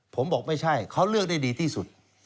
ผมบอกไม่ใช่เขาเลือกได้ดีที่สุด